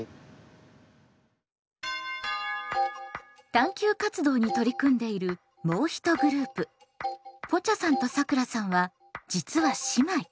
探究活動に取り組んでいるもうひとグループぽちゃさんとさくらさんは実は姉妹。